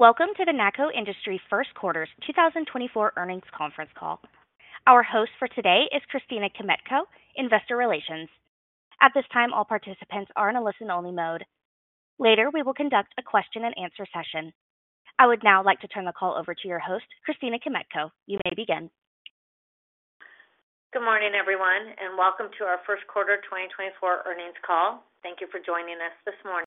Welcome to the NACCO Industries first quarter 2024 earnings conference call. Our host for today is Christina Kmetko, Investor Relations. At this time, all participants are in a listen-only mode. Later, we will conduct a question-and-answer session. I would now like to turn the call over to your host, Christina Kmetko. You may begin. Good morning, everyone, and welcome to our first quarter 2024 earnings call. Thank you for joining us this morning.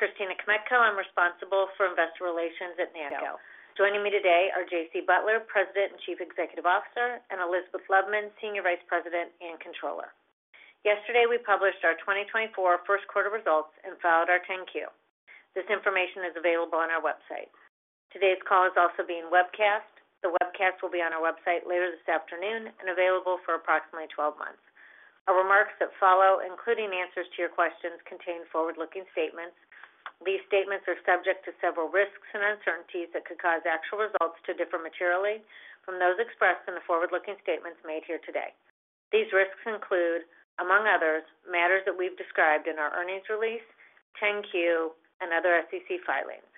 I'm Christina Kmetko, and I'm responsible for Investor Relations at NACCO. Joining me today are J.C. Butler, President and Chief Executive Officer, and Elizabeth Loveman, Senior Vice President and Controller. Yesterday, we published our 2024 first quarter results and filed our 10-Q. This information is available on our website. Today's call is also being webcast. The webcast will be on our website later this afternoon and available for approximately 12 months. Our remarks that follow, including answers to your questions, contain forward-looking statements. These statements are subject to several risks and uncertainties that could cause actual results to differ materially from those expressed in the forward-looking statements made here today. These risks include, among others, matters that we've described in our earnings release, 10-Q, and other SEC filings.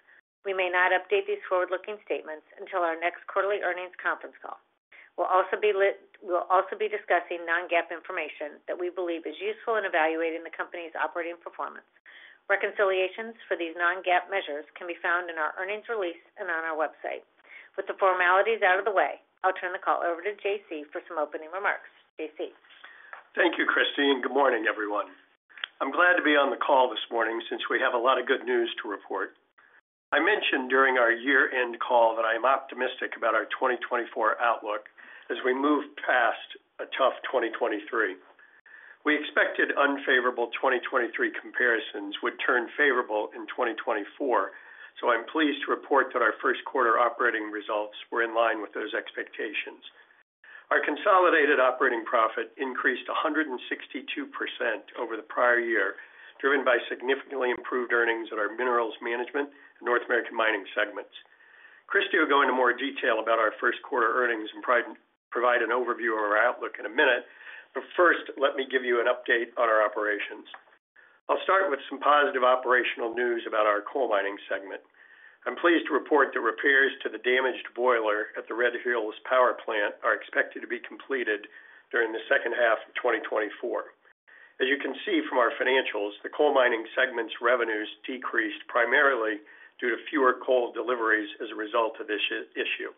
We may not update these forward-looking statements until our next quarterly earnings conference call. We'll also be discussing non-GAAP information that we believe is useful in evaluating the company's operating performance. Reconciliations for these non-GAAP measures can be found in our earnings release and on our website. With the formalities out of the way, I'll turn the call over to J.C. for some opening remarks. J.C. Thank you, Christina. Good morning, everyone. I'm glad to be on the call this morning since we have a lot of good news to report. I mentioned during our year-end call that I am optimistic about our 2024 outlook as we move past a tough 2023. We expected unfavorable 2023 comparisons would turn favorable in 2024, so I'm pleased to report that our first quarter operating results were in line with those expectations. Our consolidated operating profit increased 162% over the prior year, driven by significantly improved earnings in our Minerals Management and North American Mining segments. Christie will go into more detail about our first quarter earnings and provide an overview of our outlook in a minute, but first, let me give you an update on our operations. I'll start with some positive operational news about our Coal Mining segment. I'm pleased to report that repairs to the damaged boiler at the Red Hills Power Plant are expected to be completed during the second half of 2024. As you can see from our financials, the Coal Mining segment's revenues decreased primarily due to fewer coal deliveries as a result of this issue.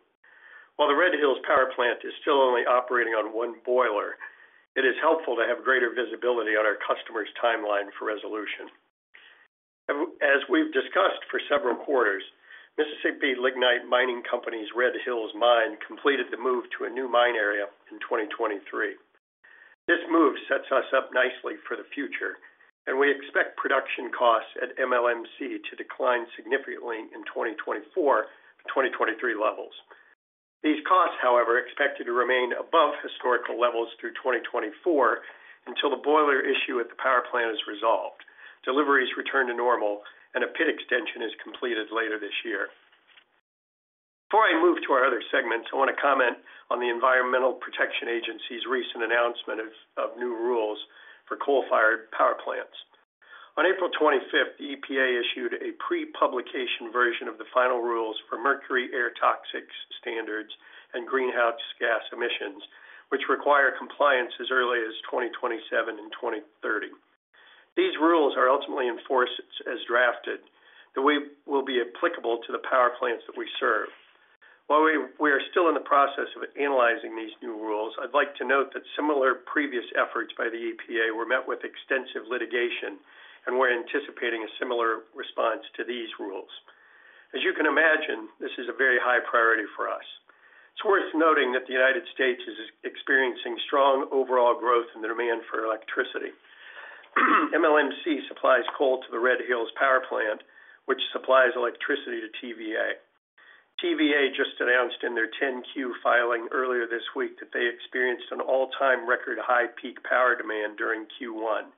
While the Red Hills Power Plant is still only operating on one boiler, it is helpful to have greater visibility on our customer's timeline for resolution. As we've discussed for several quarters, Mississippi Lignite Mining Company's Red Hills Mine completed the move to a new mine area in 2023. This move sets us up nicely for the future, and we expect production costs at MLMC to decline significantly in 2024 to 2023 levels. These costs, however, are expected to remain above historical levels through 2024 until the boiler issue at the power plant is resolved, deliveries return to normal, and a pit extension is completed later this year. Before I move to our other segments, I want to comment on the Environmental Protection Agency's recent announcement of new rules for coal-fired power plants. On April 25th, the EPA issued a pre-publication version of the final rules for Mercury and Air Toxics Standards and greenhouse gas emissions, which require compliance as early as 2027 and 2030. These rules are ultimately enforced as drafted, though they will be applicable to the power plants that we serve. While we are still in the process of analyzing these new rules, I'd like to note that similar previous efforts by the EPA were met with extensive litigation, and we're anticipating a similar response to these rules. As you can imagine, this is a very high priority for us. It's worth noting that the United States is experiencing strong overall growth in the demand for electricity. MLMC supplies coal to the Red Hills Power Plant, which supplies electricity to TVA. TVA just announced in their 10-Q filing earlier this week that they experienced an all-time record high peak power demand during Q1.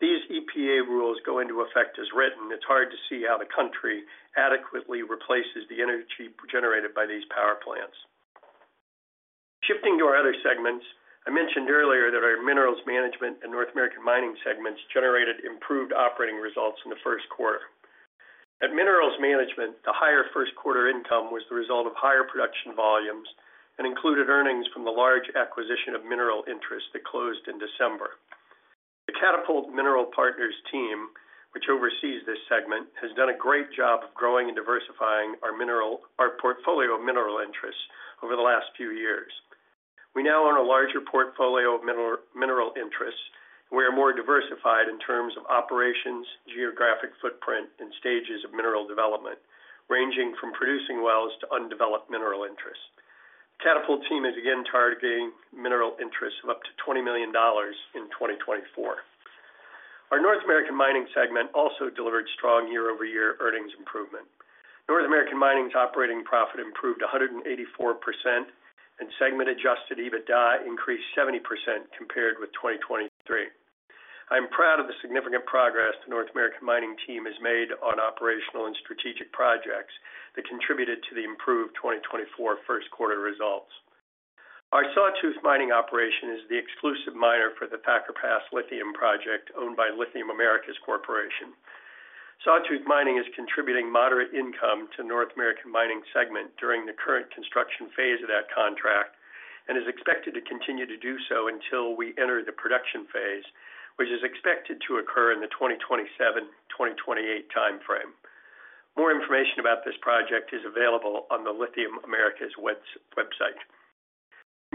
These EPA rules go into effect as written, and it's hard to see how the country adequately replaces the energy generated by these power plants. Shifting to our other segments, I mentioned earlier that our Minerals Management and North American Mining segments generated improved operating results in the first quarter. At Minerals Management, the higher first quarter income was the result of higher production volumes and included earnings from the large acquisition of mineral interest that closed in December. The Catapult Mineral Partners team, which oversees this segment, has done a great job of growing and diversifying our portfolio of mineral interests over the last few years. We now own a larger portfolio of mineral interests, and we are more diversified in terms of operations, geographic footprint, and stages of mineral development, ranging from producing wells to undeveloped mineral interests. The Catapult team is again targeting mineral interests of up to $20 million in 2024. Our North American Mining segment also delivered strong year-over-year earnings improvement. North American Mining's operating profit improved 184%, and Segment Adjusted EBITDA increased 70% compared with 2023. I am proud of the significant progress the North American Mining team has made on operational and strategic projects that contributed to the improved 2024 first quarter results. Our Sawtooth Mining operation is the exclusive miner for the Thacker Pass Lithium project, owned by Lithium Americas Corporation. Sawtooth Mining is contributing moderate income to the North American Mining segment during the current construction phase of that contract and is expected to continue to do so until we enter the production phase, which is expected to occur in the 2027-2028 time frame. More information about this project is available on the Lithium Americas website.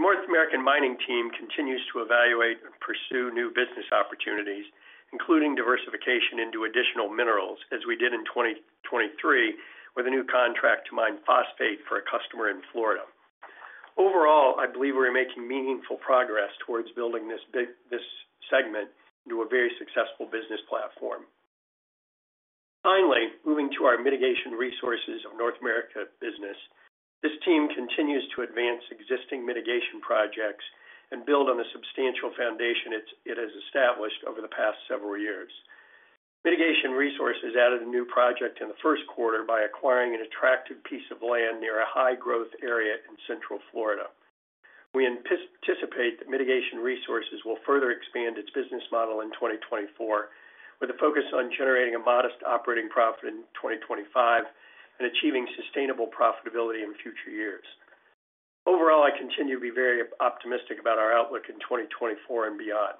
The North American Mining team continues to evaluate and pursue new business opportunities, including diversification into additional minerals as we did in 2023 with a new contract to mine phosphate for a customer in Florida. Overall, I believe we're making meaningful progress towards building this segment into a very successful business platform. Finally, moving to our Mitigation Resources of North America business, this team continues to advance existing mitigation projects and build on the substantial foundation it has established over the past several years. Mitigation Resources added a new project in the first quarter by acquiring an attractive piece of land near a high-growth area in central Florida. We anticipate that Mitigation Resources will further expand its business model in 2024, with a focus on generating a modest operating profit in 2025 and achieving sustainable profitability in future years. Overall, I continue to be very optimistic about our outlook in 2024 and beyond.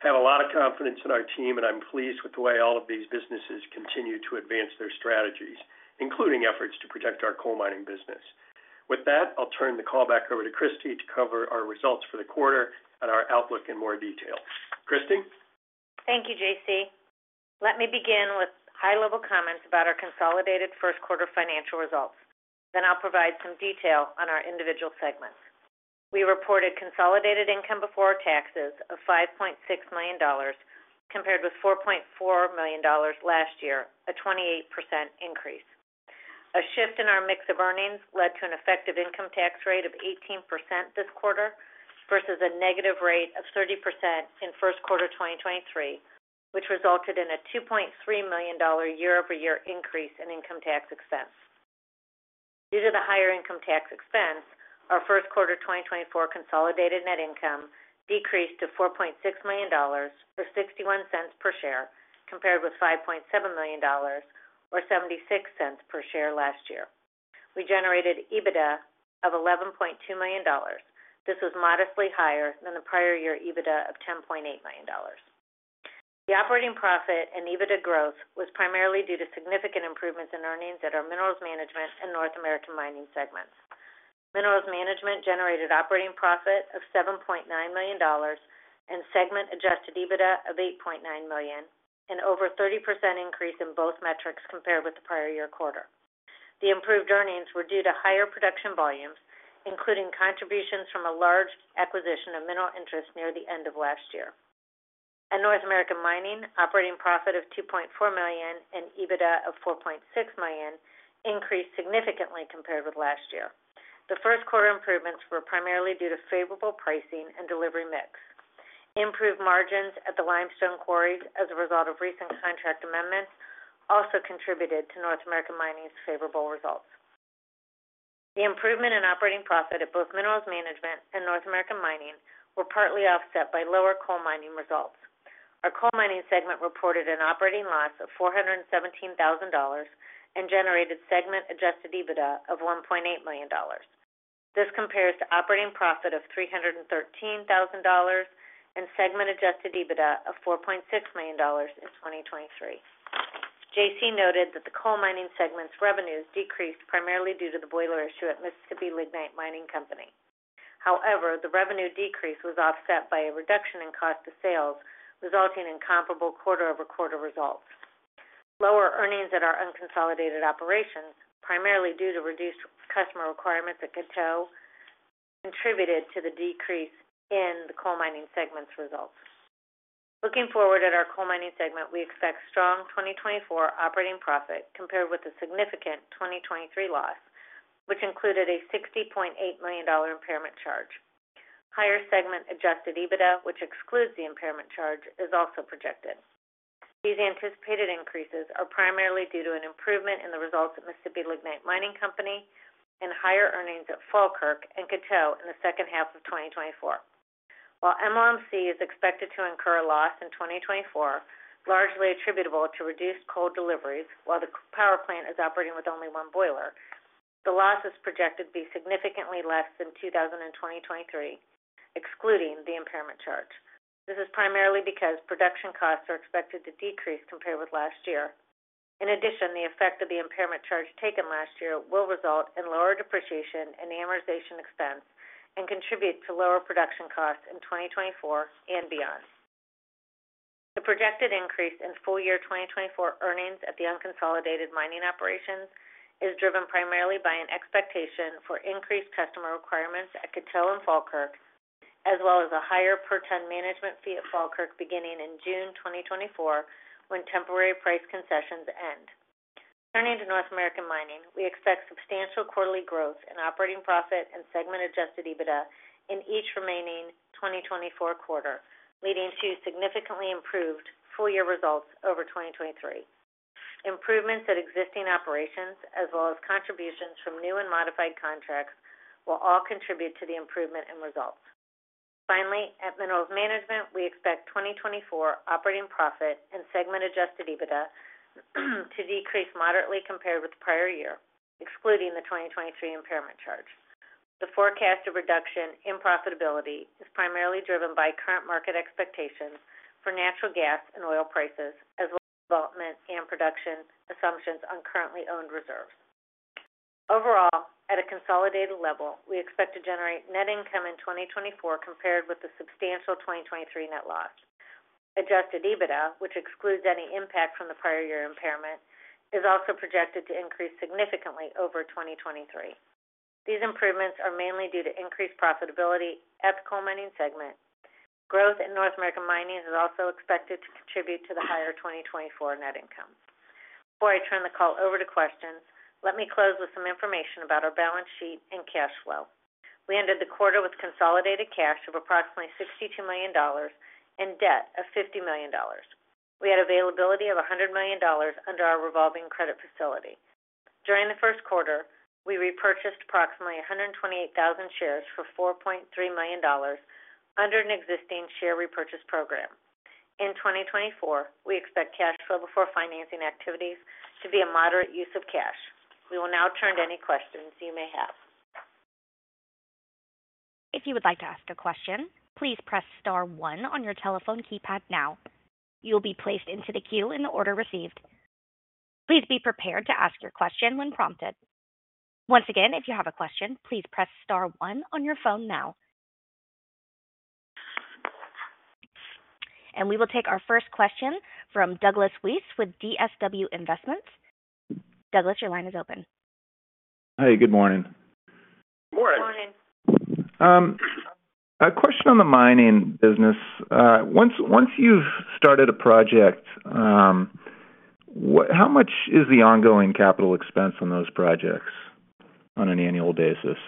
I have a lot of confidence in our team, and I'm pleased with the way all of these businesses continue to advance their strategies, including efforts to protect our coal mining business. With that, I'll turn the call back over to Christie to cover our results for the quarter and our outlook in more detail. Christie? Thank you, J.C. Let me begin with high-level comments about our consolidated first quarter financial results, then I'll provide some detail on our individual segments. We reported consolidated income before taxes of $5.6 million compared with $4.4 million last year, a 28% increase. A shift in our mix of earnings led to an effective income tax rate of 18% this quarter versus a negative rate of -30% in first quarter 2023, which resulted in a $2.3 million year-over-year increase in income tax expense. Due to the higher income tax expense, our first quarter 2024 consolidated net income decreased to $4.6 million or $0.61 per share compared with $5.7 million or $0.76 per share last year. We generated EBITDA of $11.2 million. This was modestly higher than the prior year EBITDA of $10.8 million. The operating profit and EBITDA growth was primarily due to significant improvements in earnings at our Minerals Management and North American Mining segments. Minerals Management generated operating profit of $7.9 million and Segment Adjusted EBITDA of $8.9 million, an over 30% increase in both metrics compared with the prior year quarter. The improved earnings were due to higher production volumes, including contributions from a large acquisition of mineral interest near the end of last year. At North American Mining, operating profit of $2.4 million and EBITDA of $4.6 million increased significantly compared with last year. The first quarter improvements were primarily due to favorable pricing and delivery mix. Improved margins at the limestone quarries as a result of recent contract amendments also contributed to North American Mining's favorable results. The improvement in operating profit at both Minerals Management and North American Mining were partly offset by lower Coal Mining results. Our Coal Mining segment reported an operating loss of $417,000 and generated Segment Adjusted EBITDA of $1.8 million. This compares to operating profit of $313,000 and Segment Adjusted EBITDA of $4.6 million in 2023. J.C. noted that the Coal Mining segment's revenues decreased primarily due to the boiler issue at Mississippi Lignite Mining Company. However, the revenue decrease was offset by a reduction in cost of sales, resulting in comparable quarter-over-quarter results. Lower earnings at our unconsolidated operations, primarily due to reduced customer requirements at Coteau, contributed to the decrease in the Coal Mining segment's results. Looking forward at our Coal Mining segment, we expect strong 2024 operating profit compared with a significant 2023 loss, which included a $60.8 million impairment charge. Higher Segment Adjusted EBITDA, which excludes the impairment charge, is also projected. These anticipated increases are primarily due to an improvement in the results at Mississippi Lignite Mining Company and higher earnings at Falkirk and Coteau in the second half of 2024. While MLMC is expected to incur a loss in 2024, largely attributable to reduced coal deliveries, while the power plant is operating with only one boiler, the loss is projected to be significantly less than 2020-2023, excluding the impairment charge. This is primarily because production costs are expected to decrease compared with last year. In addition, the effect of the impairment charge taken last year will result in lower depreciation and amortization expense and contribute to lower production costs in 2024 and beyond. The projected increase in full-year 2024 earnings at the unconsolidated mining operations is driven primarily by an expectation for increased customer requirements at Coteau and Falkirk, as well as a higher per-ton management fee at Falkirk beginning in June 2024 when temporary price concessions end. Turning to North American Mining, we expect substantial quarterly growth in operating profit and Segment Adjusted EBITDA in each remaining 2024 quarter, leading to significantly improved full-year results over 2023. Improvements at existing operations, as well as contributions from new and modified contracts, will all contribute to the improvement in results. Finally, at Minerals Management, we expect 2024 operating profit and Segment Adjusted EBITDA to decrease moderately compared with the prior year, excluding the 2023 impairment charge. The forecast of reduction in profitability is primarily driven by current market expectations for natural gas and oil prices, as well as development and production assumptions on currently owned reserves. Overall, at a consolidated level, we expect to generate net income in 2024 compared with the substantial 2023 net loss. Adjusted EBITDA, which excludes any impact from the prior year impairment, is also projected to increase significantly over 2023. These improvements are mainly due to increased profitability at the Coal Mining segment. Growth in North American Mining is also expected to contribute to the higher 2024 net income. Before I turn the call over to questions, let me close with some information about our balance sheet and cash flow. We ended the quarter with consolidated cash of approximately $62 million and debt of $50 million. We had availability of $100 million under our revolving credit facility. During the first quarter, we repurchased approximately 128,000 shares for $4.3 million under an existing share repurchase program. In 2024, we expect cash flow before financing activities to be a moderate use of cash. We will now turn to any questions you may have. If you would like to ask a question, please press star one on your telephone keypad now. You will be placed into the queue in the order received. Please be prepared to ask your question when prompted. Once again, if you have a question, please press star one on your phone now. We will take our first question from Douglas Weiss with DSW Investments. Douglas, your line is open. Hi. Good morning. Good morning. Good morning. A question on the mining business. Once you've started a project, how much is the ongoing capital expense on those projects on an annual basis?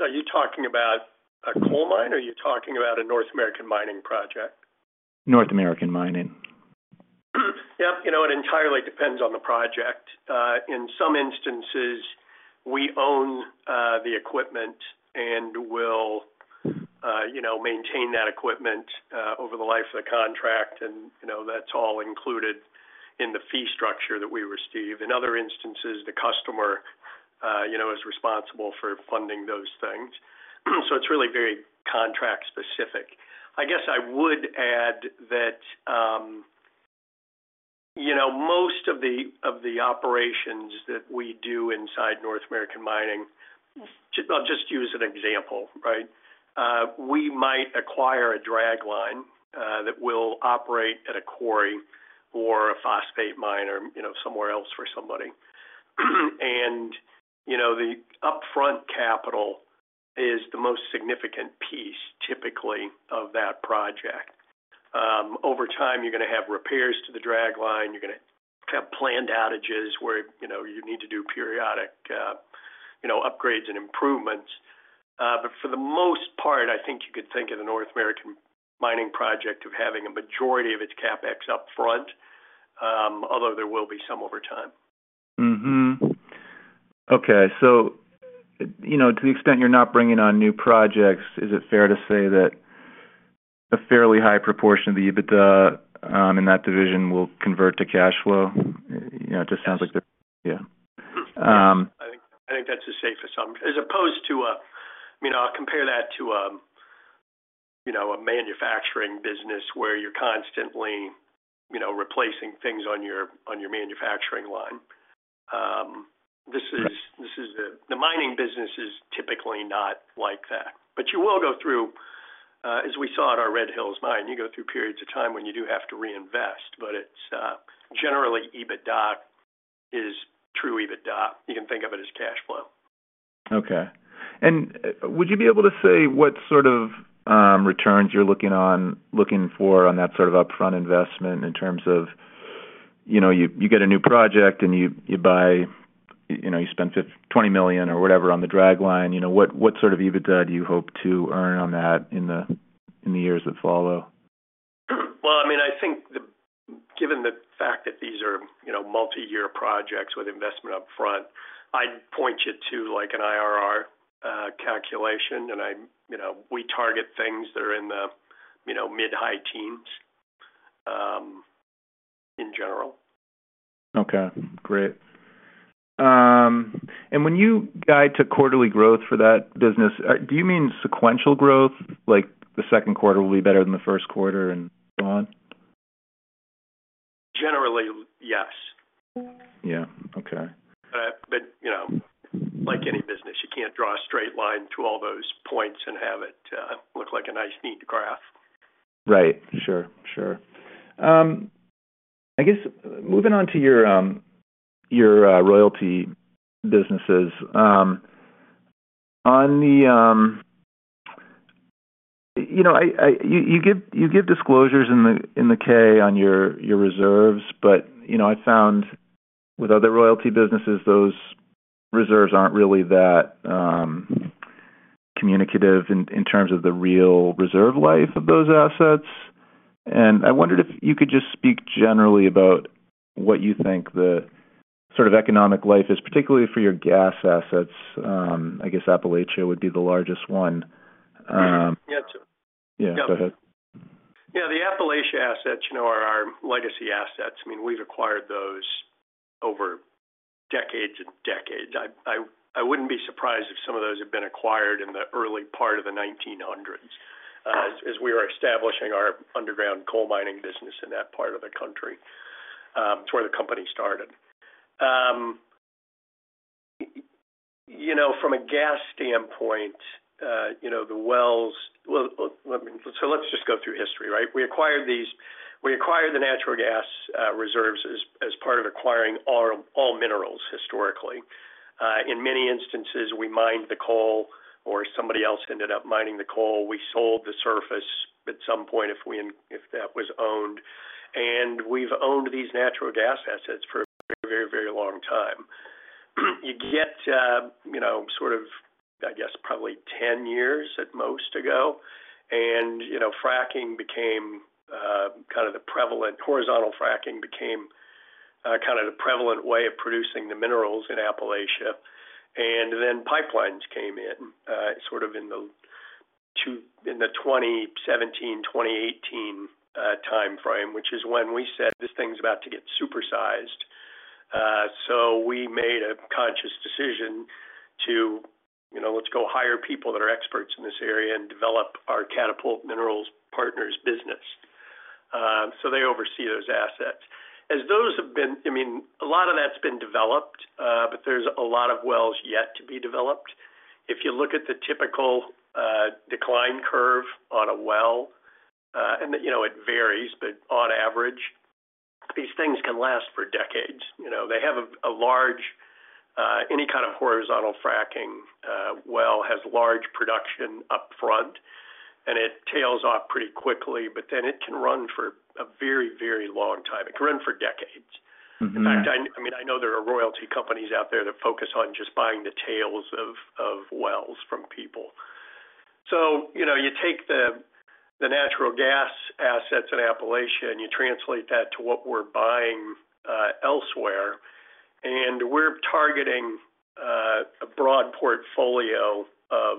Are you talking about a coal mine, or are you talking about a North American Mining project? North American Mining. Yep. It entirely depends on the project. In some instances, we own the equipment and will maintain that equipment over the life of the contract, and that's all included in the fee structure that we receive. In other instances, the customer is responsible for funding those things. So it's really very contract-specific. I guess I would add that most of the operations that we do inside North American Mining. I'll just use an example, right? We might acquire a dragline that will operate at a quarry or a phosphate mine or somewhere else for somebody. And the upfront capital is the most significant piece, typically, of that project. Over time, you're going to have repairs to the dragline. You're going to have planned outages where you need to do periodic upgrades and improvements. For the most part, I think you could think of the North American Mining project of having a majority of its CapEx upfront, although there will be some over time. Okay. So to the extent you're not bringing on new projects, is it fair to say that a fairly high proportion of the EBITDA in that division will convert to cash flow? It just sounds like there's yeah. I think that's a safe assumption as opposed to a. I'll compare that to a manufacturing business where you're constantly replacing things on your manufacturing line. The mining business is typically not like that. But you will go through, as we saw at our Red Hills Mine, you go through periods of time when you do have to reinvest, but generally, EBITDA is true EBITDA. You can think of it as cash flow. Okay. Would you be able to say what sort of returns you're looking for on that sort of upfront investment in terms of you get a new project, and you spend $20 million or whatever on the dragline? What sort of EBITDA do you hope to earn on that in the years that follow? Well, I mean, I think given the fact that these are multi-year projects with investment upfront, I'd point you to an IRR calculation, and we target things that are in the mid-high teens in general. Okay. Great. When you guide to quarterly growth for that business, do you mean sequential growth, like the second quarter will be better than the first quarter and so on? Generally, yes. But like any business, you can't draw a straight line to all those points and have it look like a nice neat graph. Right. Sure. Sure. I guess moving on to your royalty businesses, on the you give disclosures in the 10-K on your reserves, but I found with other royalty businesses, those reserves aren't really that communicative in terms of the real reserve life of those assets. And I wondered if you could just speak generally about what you think the sort of economic life is, particularly for your gas assets. I guess Appalachia would be the largest one. Yeah. Sure. Yeah. Go ahead. Yeah. The Appalachia assets are our legacy assets. I mean, we've acquired those over decades and decades. I wouldn't be surprised if some of those had been acquired in the early part of the 1900s as we were establishing our underground coal mining business in that part of the country. It's where the company started. From a gas standpoint, the wells, well, so let's just go through history, right? We acquired the natural gas reserves as part of acquiring all minerals, historically. In many instances, we mined the coal, or somebody else ended up mining the coal. We sold the surface at some point if that was owned. We've owned these natural gas assets for a very, very long time. You get sort of, I guess, probably 10 years at most ago, and fracking became kind of the prevalent horizontal fracking became kind of the prevalent way of producing the minerals in Appalachia. And then pipelines came in sort of in the 2017-2018 timeframe, which is when we said, "This thing's about to get supersized." So we made a conscious decision to, "Let's go hire people that are experts in this area and develop our Catapult Mineral Partners business." So they oversee those assets. As those have been, I mean, a lot of that's been developed, but there's a lot of wells yet to be developed. If you look at the typical decline curve on a well and it varies, but on average, these things can last for decades. They have a large any kind of horizontal fracking well has large production upfront, and it tails off pretty quickly, but then it can run for a very, very long time. It can run for decades. In fact, I mean, I know there are royalty companies out there that focus on just buying the tails of wells from people. So you take the natural gas assets in Appalachia, and you translate that to what we're buying elsewhere. And we're targeting a broad portfolio of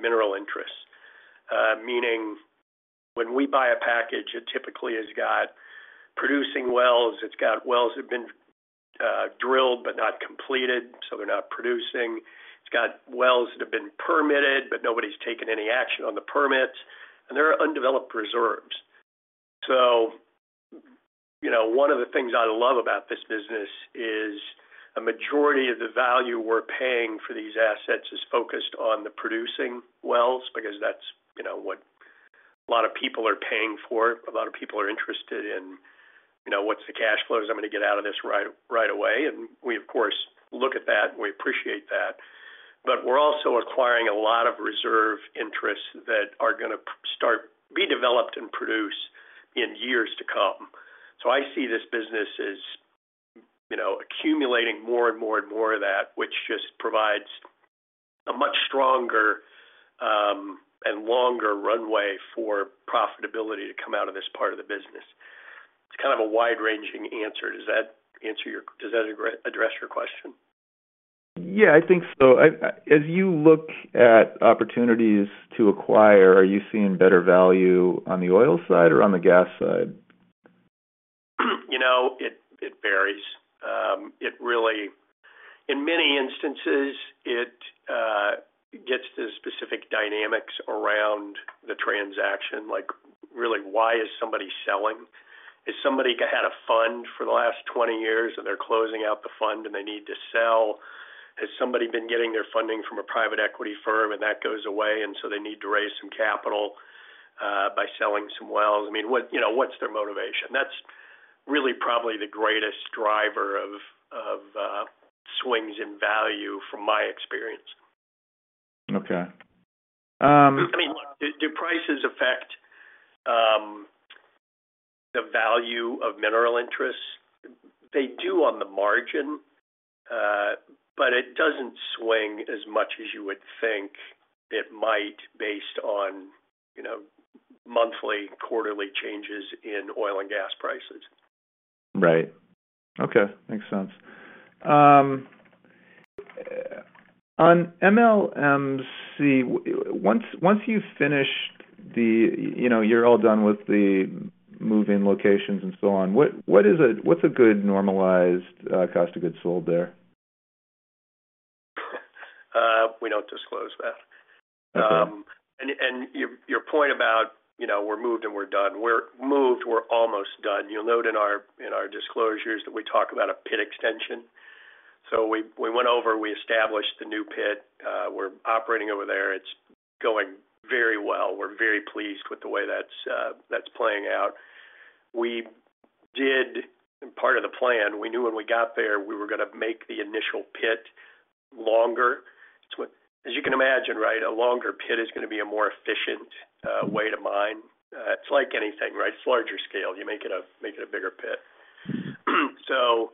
mineral interests, meaning when we buy a package, it typically has got producing wells. It's got wells that have been drilled but not completed, so they're not producing. It's got wells that have been permitted, but nobody's taken any action on the permits. And there are undeveloped reserves. So one of the things I love about this business is a majority of the value we're paying for these assets is focused on the producing wells because that's what a lot of people are paying for. A lot of people are interested in, "What's the cash flow that I'm going to get out of this right away?" And we, of course, look at that, and we appreciate that. But we're also acquiring a lot of reserve interests that are going to start to be developed and produce in years to come. So I see this business as accumulating more and more and more of that, which just provides a much stronger and longer runway for profitability to come out of this part of the business. It's kind of a wide-ranging answer. Does that address your question? Yeah. I think so. As you look at opportunities to acquire, are you seeing better value on the oil side or on the gas side? It varies. In many instances, it gets to specific dynamics around the transaction, like really, why is somebody selling? Has somebody had a fund for the last 20 years, and they're closing out the fund, and they need to sell? Has somebody been getting their funding from a private equity firm, and that goes away, and so they need to raise some capital by selling some wells? I mean, what's their motivation? That's really probably the greatest driver of swings in value, from my experience. I mean, look, do prices affect the value of mineral interests? They do on the margin, but it doesn't swing as much as you would think it might based on monthly, quarterly changes in oil and gas prices. Right. Okay. Makes sense. On MLMC, once you've finished, you're all done with the moving locations and so on. What's a good normalized cost of goods sold there? We don't disclose that. And your point about, "We're moved and we're done." We're moved. We're almost done. You'll note in our disclosures that we talk about a pit extension. So we went over. We established the new pit. We're operating over there. It's going very well. We're very pleased with the way that's playing out. And part of the plan, we knew when we got there, we were going to make the initial pit longer. As you can imagine, right, a longer pit is going to be a more efficient way to mine. It's like anything, right? It's larger scale. You make it a bigger pit. So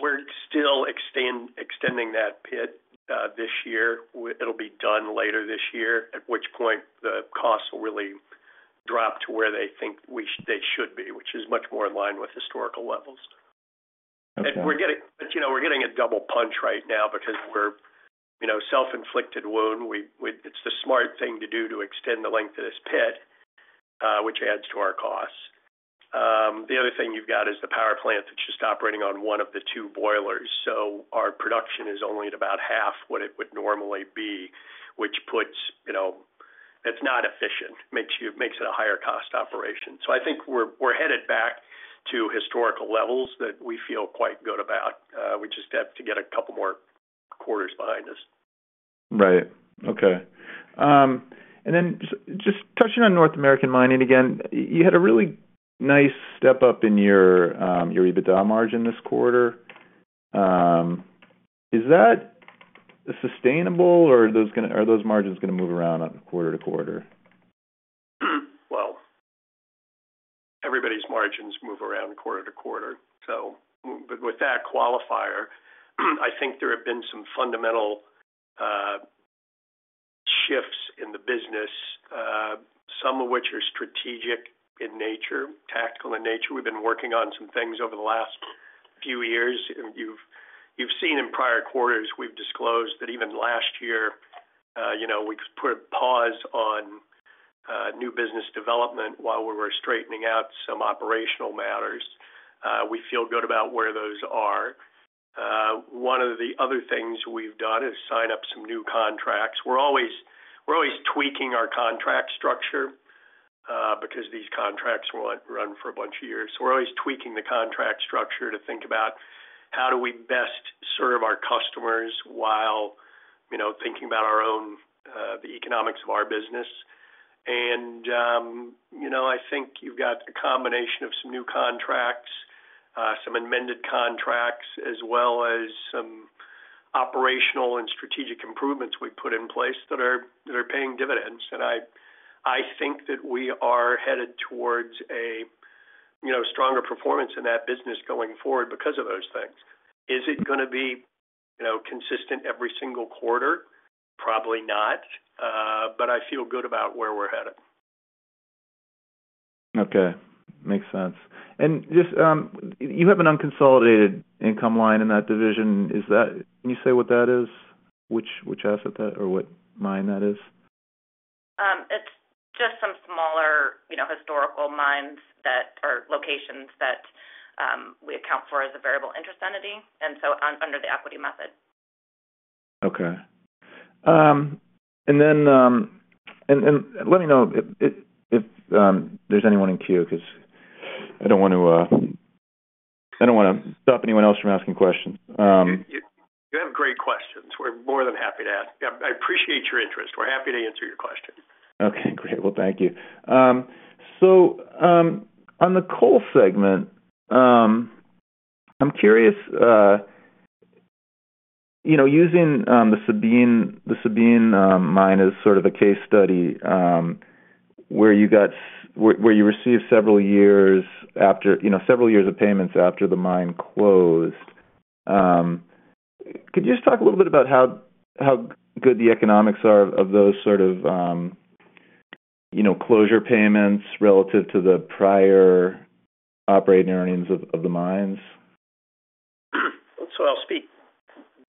we're still extending that pit this year. It'll be done later this year, at which point the costs will really drop to where they think they should be, which is much more in line with historical levels. But we're getting a double punch right now because we're self-inflicted wound. It's the smart thing to do to extend the length of this pit, which adds to our costs. The other thing you've got is the power plant that's just operating on one of the two boilers. So our production is only at about half what it would normally be, which puts it. It's not efficient. It makes it a higher-cost operation. So I think we're headed back to historical levels that we feel quite good about. We just have to get a couple more quarters behind us. Right. Okay. And then just touching on North American Mining again, you had a really nice step up in your EBITDA margin this quarter. Is that sustainable, or are those margins going to move around quarter to quarter? Well, everybody's margins move around quarter to quarter. But with that qualifier, I think there have been some fundamental shifts in the business, some of which are strategic in nature, tactical in nature. We've been working on some things over the last few years. You've seen in prior quarters, we've disclosed that even last year, we put a pause on new business development while we were straightening out some operational matters. We feel good about where those are. One of the other things we've done is sign up some new contracts. We're always tweaking our contract structure because these contracts won't run for a bunch of years. So we're always tweaking the contract structure to think about, "How do we best serve our customers while thinking about the economics of our business?" And I think you've got a combination of some new contracts, some amended contracts, as well as some operational and strategic improvements we put in place that are paying dividends. And I think that we are headed towards a stronger performance in that business going forward because of those things. Is it going to be consistent every single quarter? Probably not. But I feel good about where we're headed. Okay. Makes sense. You have an unconsolidated income line in that division. Can you say what that is, which asset that or what mine that is? It's just some smaller historical mines or locations that we account for as a variable interest entity, and so under the equity method. Okay. And then let me know if there's anyone in queue because I don't want to I don't want to stop anyone else from asking questions. You have great questions. We're more than happy to ask. I appreciate your interest. We're happy to answer your question. Okay. Great. Well, thank you. So on the coal segment, I'm curious, using the Sabine Mine as sort of a case study where you received several years after several years of payments after the mine closed, could you just talk a little bit about how good the economics are of those sort of closure payments relative to the prior operating earnings of the mines? So I'll speak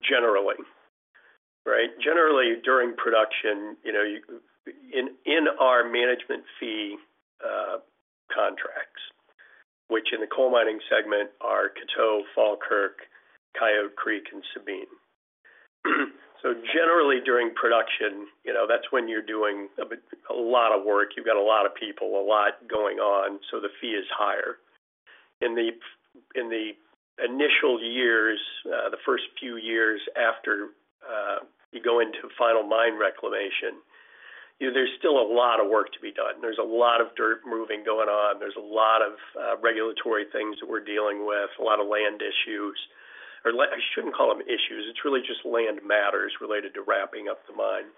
generally, right? Generally, during production, in our management fee contracts, which in the Coal Mining segment are Coteau, Falkirk, Coyote Creek, and Sabine. So generally, during production, that's when you're doing a lot of work. You've got a lot of people, a lot going on, so the fee is higher. In the initial years, the first few years after you go into final mine reclamation, there's still a lot of work to be done. There's a lot of dirt moving going on. There's a lot of regulatory things that we're dealing with, a lot of land issues. I shouldn't call them issues. It's really just land matters related to wrapping up the mine.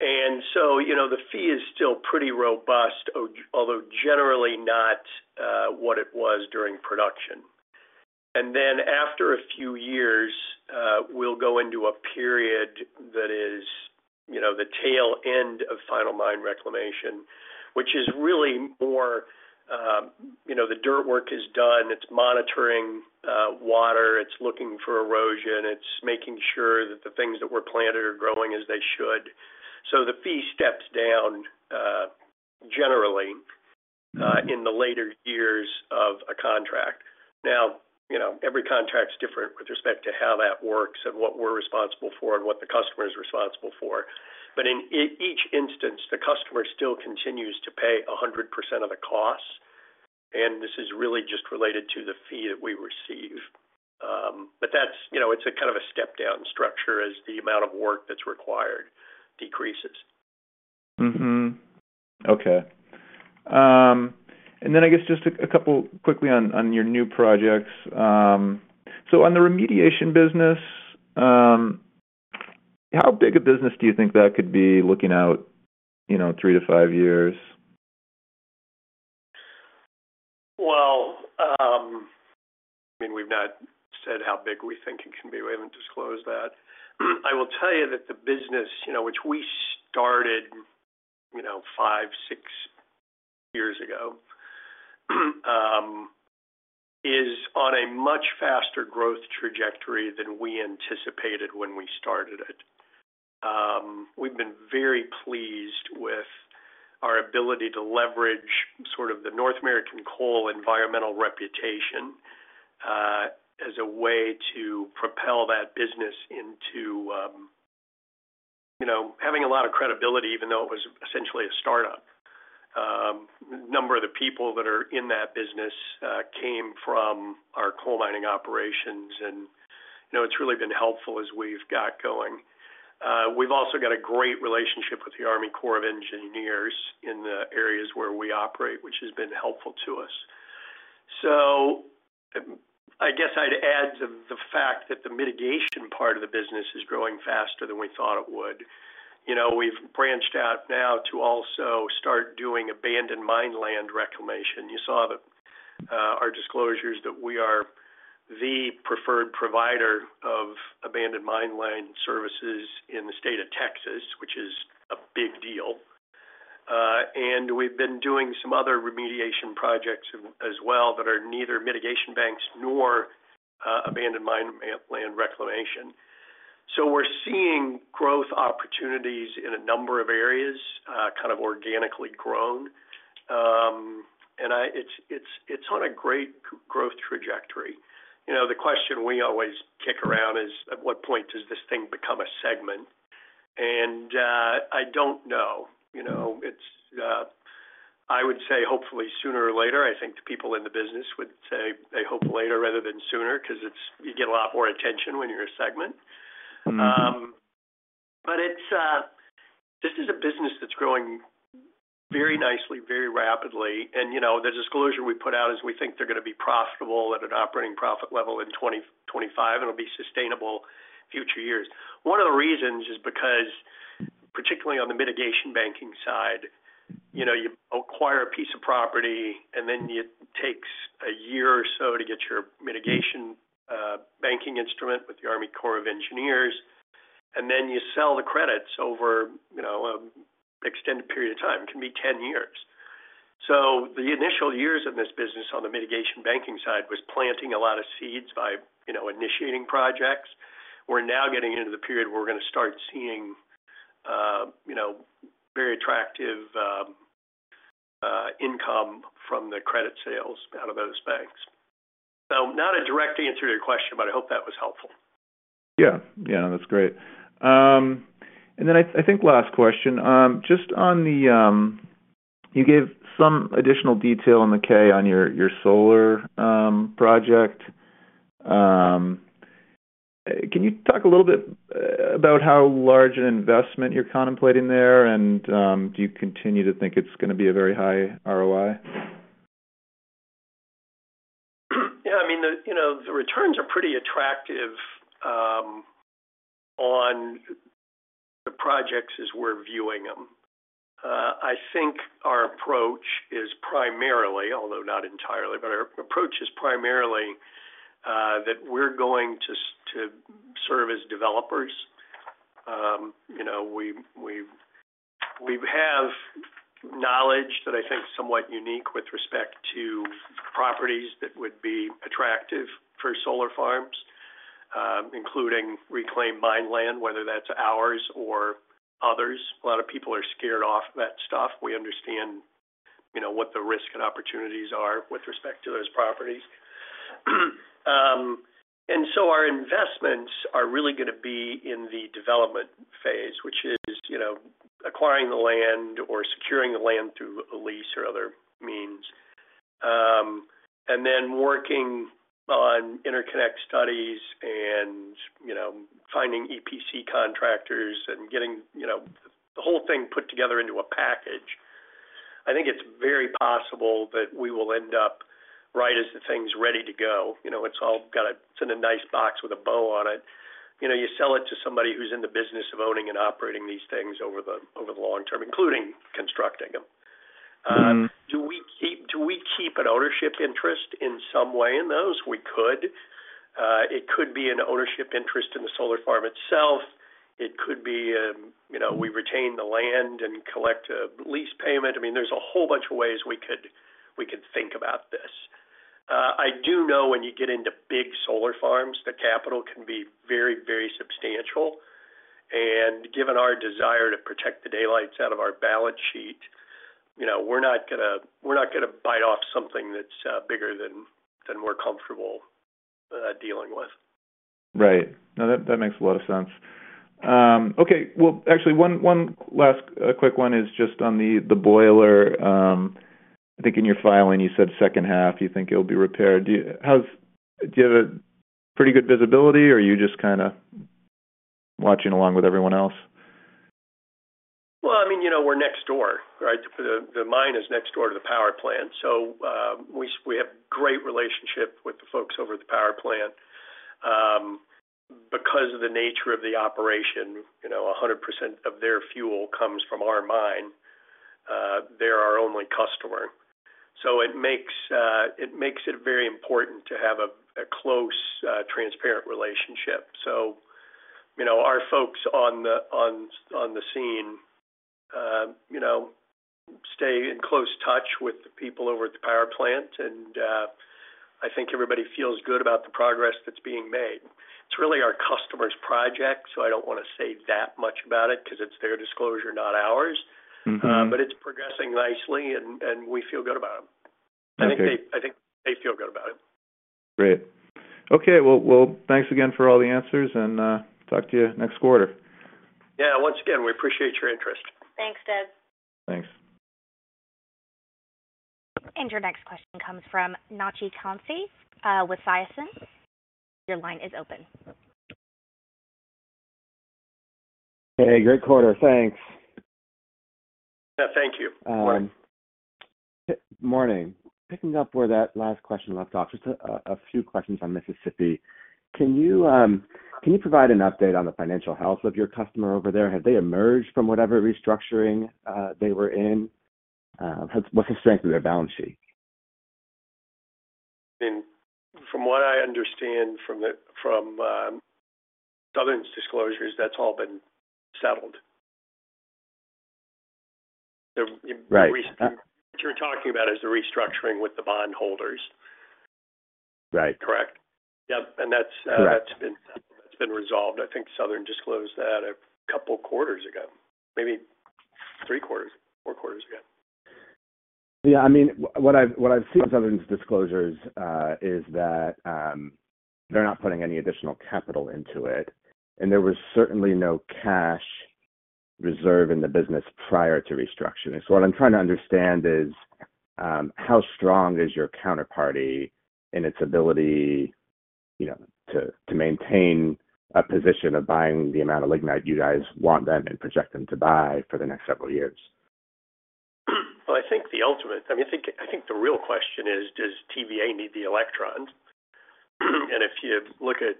And so the fee is still pretty robust, although generally not what it was during production. And then after a few years, we'll go into a period that is the tail end of final mine reclamation, which is really more the dirt work is done. It's monitoring water. It's looking for erosion. It's making sure that the things that were planted are growing as they should. So the fee steps down generally in the later years of a contract. Now, every contract's different with respect to how that works and what we're responsible for and what the customer's responsible for. But in each instance, the customer still continues to pay 100% of the costs. And this is really just related to the fee that we receive. But it's kind of a step-down structure as the amount of work that's required decreases. Okay. And then I guess just a couple quickly on your new projects. So on the remediation business, how big a business do you think that could be looking out 3-5 years? Well, I mean, we've not said how big we think it can be. We haven't disclosed that. I will tell you that the business, which we started 5, 6 years ago, is on a much faster growth trajectory than we anticipated when we started it. We've been very pleased with our ability to leverage sort of the North American coal environmental reputation as a way to propel that business into having a lot of credibility, even though it was essentially a startup. A number of the people that are in that business came from our coal mining operations, and it's really been helpful as we've got going. We've also got a great relationship with the Army Corps of Engineers in the areas where we operate, which has been helpful to us. So I guess I'd add the fact that the mitigation part of the business is growing faster than we thought it would. We've branched out now to also start doing abandoned mine land reclamation. You saw our disclosures that we are the preferred provider of abandoned mine land services in the state of Texas, which is a big deal. And we've been doing some other remediation projects as well that are neither mitigation banks nor abandoned mine land reclamation. So we're seeing growth opportunities in a number of areas, kind of organically grown. And it's on a great growth trajectory. The question we always kick around is, "At what point does this thing become a segment?" And I don't know. I would say hopefully sooner or later. I think the people in the business would say they hope later rather than sooner because you get a lot more attention when you're a segment. But this is a business that's growing very nicely, very rapidly. And the disclosure we put out is we think they're going to be profitable at an operating profit level in 2025, and it'll be sustainable future years. One of the reasons is because, particularly on the mitigation banking side, you acquire a piece of property, and then it takes a year or so to get your mitigation banking instrument with the Army Corps of Engineers, and then you sell the credits over an extended period of time. It can be 10 years. So the initial years of this business on the mitigation banking side was planting a lot of seeds by initiating projects. We're now getting into the period where we're going to start seeing very attractive income from the credit sales out of those banks. Not a direct answer to your question, but I hope that was helpful. Yeah. Yeah. That's great. And then I think last question. Just on the, you gave some additional detail in the 10-K on your solar project. Can you talk a little bit about how large an investment you're contemplating there, and do you continue to think it's going to be a very high ROI? Yeah. I mean, the returns are pretty attractive on the projects as we're viewing them. I think our approach is primarily although not entirely, but our approach is primarily that we're going to serve as developers. We have knowledge that I think's somewhat unique with respect to properties that would be attractive for solar farms, including reclaimed mine land, whether that's ours or others. A lot of people are scared off that stuff. We understand what the risk and opportunities are with respect to those properties. And so our investments are really going to be in the development phase, which is acquiring the land or securing the land through a lease or other means, and then working on interconnect studies and finding EPC contractors and getting the whole thing put together into a package. I think it's very possible that we will end up right as the thing's ready to go. It's all got, it's in a nice box with a bow on it. You sell it to somebody who's in the business of owning and operating these things over the long term, including constructing them. Do we keep an ownership interest in some way in those? We could. It could be an ownership interest in the solar farm itself. It could be we retain the land and collect a lease payment. I mean, there's a whole bunch of ways we could think about this. I do know when you get into big solar farms, the capital can be very, very substantial. And given our desire to protect the daylights out of our balance sheet, we're not going to bite off something that's bigger than we're comfortable dealing with. Right. No, that makes a lot of sense. Okay. Well, actually, one last quick one is just on the boiler. I think in your filing, you said second half, you think it'll be repaired. Do you have a pretty good visibility, or are you just kind of watching along with everyone else? Well, I mean, we're next door, right? The mine is next door to the power plant. So we have a great relationship with the folks over at the power plant. Because of the nature of the operation, 100% of their fuel comes from our mine. They're our only customer. So it makes it very important to have a close, transparent relationship. So our folks on the scene stay in close touch with the people over at the power plant, and I think everybody feels good about the progress that's being made. It's really our customer's project, so I don't want to say that much about it because it's their disclosure, not ours. But it's progressing nicely, and we feel good about it. I think they feel good about it. Great. Okay. Well, thanks again for all the answers, and talk to you next quarter. Yeah. Once again, we appreciate your interest. Thanks, Doug. Thanks. Your next question comes from Nachi Koul with Syzon Capital. Your line is open. Hey. Great quarter. Thanks. Yeah. Thank you. Morning. Picking up where that last question left off, just a few questions on Mississippi. Can you provide an update on the financial health of your customer over there? Have they emerged from whatever restructuring they were in? What's the strength of their balance sheet? I mean, from what I understand from Southern's disclosures, that's all been settled. What you're talking about is the restructuring with the bondholders, correct? Right. Yeah. That's been resolved. I think Southern disclosed that a couple quarters ago, maybe three quarters, four quarters ago. Yeah. I mean, what I've seen with Southern's disclosures is that they're not putting any additional capital into it, and there was certainly no cash reserve in the business prior to restructuring. So what I'm trying to understand is, how strong is your counterparty in its ability to maintain a position of buying the amount of lignite you guys want them and project them to buy for the next several years? Well, I think the ultimate, I mean, I think the real question is, does TVA need the electrons? And if you look at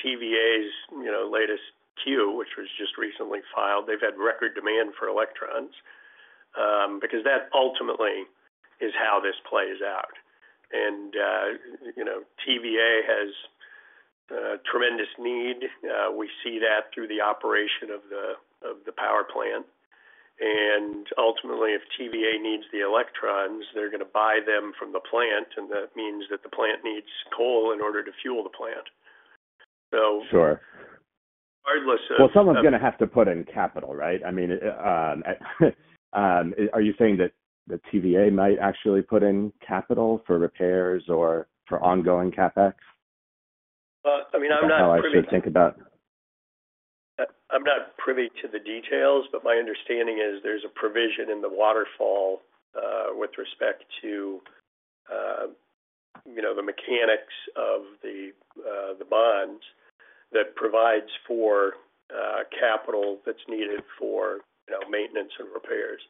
TVA's latest Q, which was just recently filed, they've had record demand for electrons because that ultimately is how this plays out. And TVA has tremendous need. We see that through the operation of the power plant. And ultimately, if TVA needs the electrons, they're going to buy them from the plant, and that means that the plant needs coal in order to fuel the plant. So regardless of. Well, someone's going to have to put in capital, right? I mean, are you saying that TVA might actually put in capital for repairs or for ongoing CapEx? I mean, I'm not privy to. How else would it think about? I'm not privy to the details, but my understanding is there's a provision in the waterfall with respect to the mechanics of the bonds that provides for capital that's needed for maintenance and repairs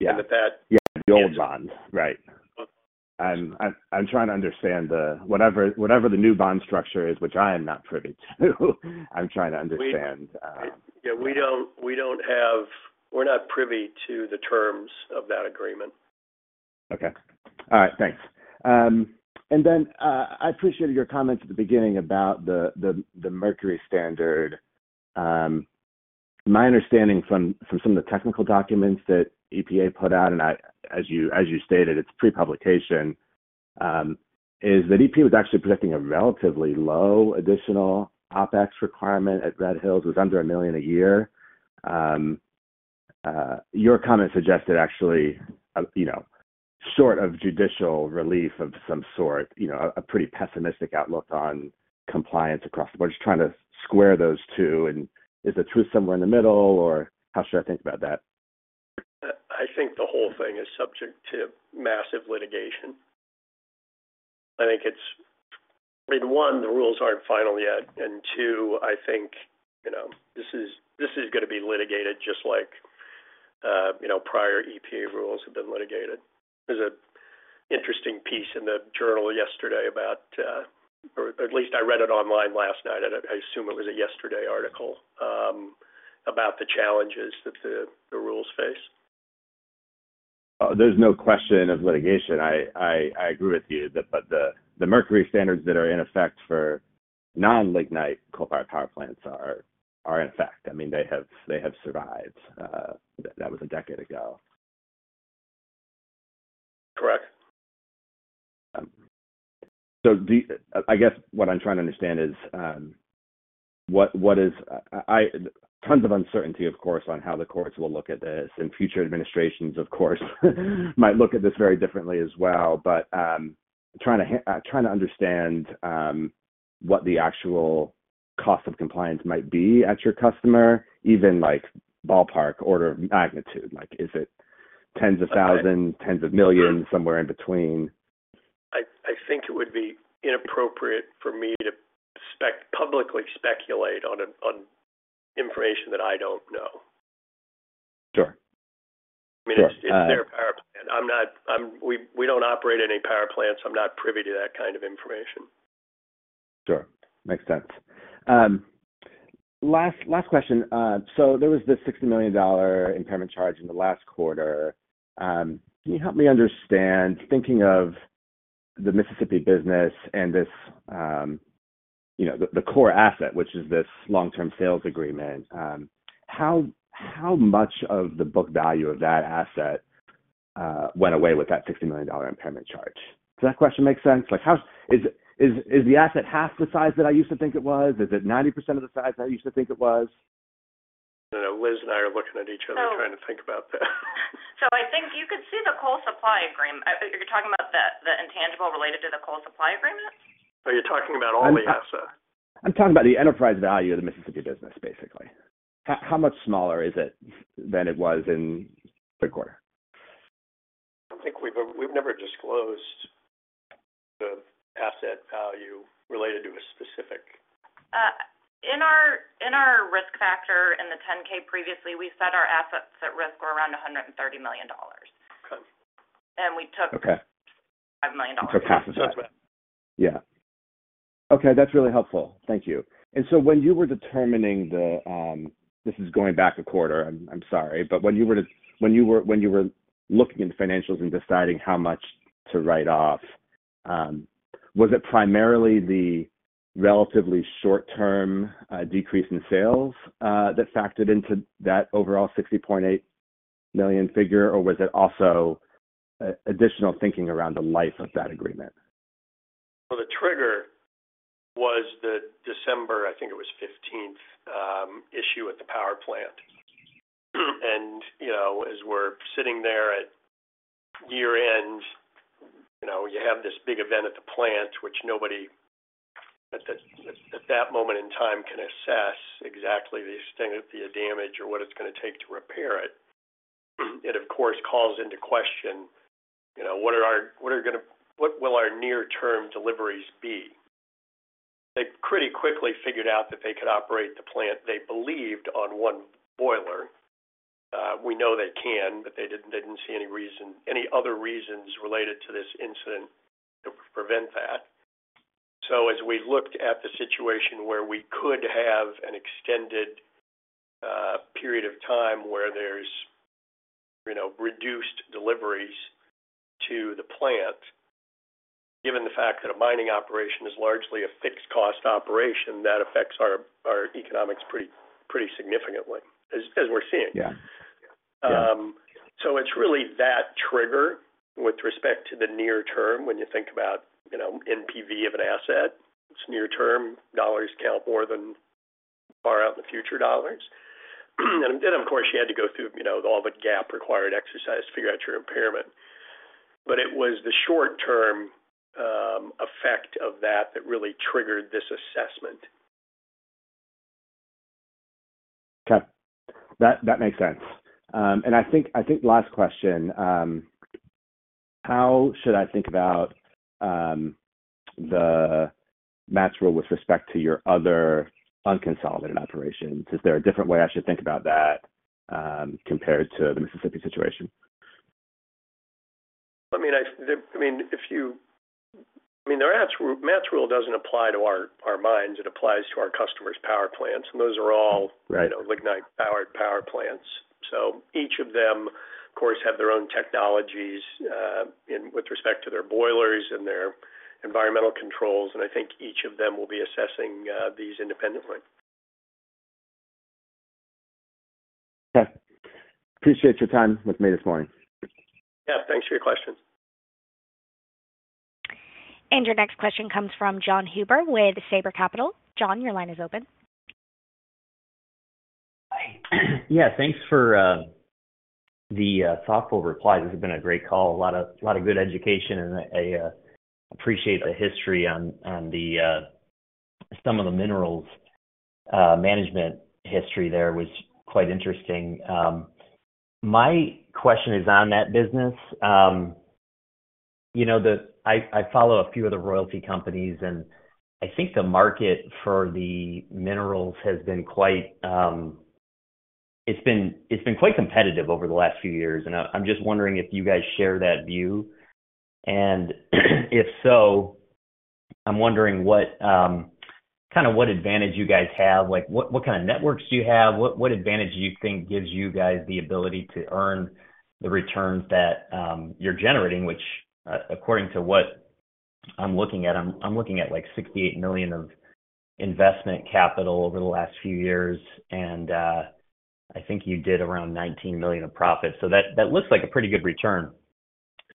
and that. Yeah. The old bonds. Right. I'm trying to understand the whatever the new bond structure is, which I am not privy to. I'm trying to understand. Yeah. We're not privy to the terms of that agreement. Okay. All right. Thanks. And then I appreciated your comments at the beginning about the mercury standard. My understanding from some of the technical documents that EPA put out, and as you stated, it's pre-publication, is that EPA was actually projecting a relatively low additional OpEx requirement at Red Hills. It was under $1 million a year. Your comment suggested actually short of judicial relief of some sort, a pretty pessimistic outlook on compliance across the board. Just trying to square those two. And is the truth somewhere in the middle, or how should I think about that? I think the whole thing is subject to massive litigation. I think it's, I mean, one, the rules aren't final yet. And two, I think this is going to be litigated just like prior EPA rules have been litigated. There's an interesting piece in the Journal yesterday about, or at least I read it online last night. I assume it was a yesterday article about the challenges that the rules face. There's no question of litigation. I agree with you, but the mercury standards that are in effect for non-lignite coal-fired power plants are in effect. I mean, they have survived. That was a decade ago. Correct. I guess what I'm trying to understand is, there is tons of uncertainty, of course, on how the courts will look at this. Future administrations, of course, might look at this very differently as well. I'm trying to understand what the actual cost of compliance might be at your customer, even ballpark order of magnitude. Is it tens of thousands, tens of millions, somewhere in between? I think it would be inappropriate for me to publicly speculate on information that I don't know. I mean, it's their power plant. We don't operate any power plants. I'm not privy to that kind of information. Sure. Makes sense. Last question. So there was this $60 million impairment charge in the last quarter. Can you help me understand, thinking of the Mississippi business and the core asset, which is this long-term sales agreement, how much of the book value of that asset went away with that $60 million impairment charge? Does that question make sense? Is the asset half the size that I used to think it was? Is it 90% of the size that I used to think it was? I don't know. Liz and I are looking at each other trying to think about that. I think you could see the coal supply agreement. You're talking about the intangible related to the coal supply agreement? Oh, you're talking about all the assets. I'm talking about the enterprise value of the Mississippi business, basically. How much smaller is it than it was in third quarter? I don't think we've never disclosed the asset value related to a specific. In our risk factor in the 10-K previously, we said our assets at risk were around $130 million, and we took $5 million off. Took half the size. Yeah. Okay. That's really helpful. Thank you. And so when you were determining this is going back a quarter. I'm sorry. But when you were looking at the financials and deciding how much to write off, was it primarily the relatively short-term decrease in sales that factored into that overall $60.8 million figure, or was it also additional thinking around the life of that agreement? Well, the trigger was the December, I think it was 15th, issue at the power plant. And as we're sitting there at year-end, you have this big event at the plant, which nobody at that moment in time can assess exactly the extent of the damage or what it's going to take to repair it. It, of course, calls into question, "What are our what are going to what will our near-term deliveries be?" They pretty quickly figured out that they could operate the plant they believed on one boiler. We know they can, but they didn't see any other reasons related to this incident that would prevent that. So as we looked at the situation where we could have an extended period of time where there's reduced deliveries to the plant, given the fact that a mining operation is largely a fixed-cost operation, that affects our economics pretty significantly, as we're seeing. So it's really that trigger with respect to the near-term when you think about NPV of an asset. It's near-term. Dollars count more than far-out-in-the-future dollars. And then, of course, you had to go through all the GAAP-required exercise to figure out your impairment. But it was the short-term effect of that that really triggered this assessment. Okay. That makes sense. And I think last question, how should I think about the MATS rule with respect to your other unconsolidated operations? Is there a different way I should think about that compared to the Mississippi situation? Well, I mean, I mean, the MATS rule doesn't apply to our mines. It applies to our customer's power plants, and those are all lignite-powered power plants. So each of them, of course, have their own technologies with respect to their boilers and their environmental controls. And I think each of them will be assessing these independently. Okay. Appreciate your time with me this morning. Yeah. Thanks for your questions. Your next question comes from John Huber with Saber Capital. John, your line is open. Yeah. Thanks for the thoughtful replies. This has been a great call, a lot of good education, and I appreciate the history on some of the minerals management history there. It was quite interesting. My question is on that business. I follow a few other royalty companies, and I think the market for the minerals has been quite competitive over the last few years. And I'm just wondering if you guys share that view. And if so, I'm wondering kind of what advantage you guys have. What kind of networks do you have? What advantage do you think gives you guys the ability to earn the returns that you're generating? Which, according to what I'm looking at, I'm looking at like $68 million of investment capital over the last few years, and I think you did around $19 million of profit. That looks like a pretty good return.